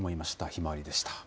ひまわりでした。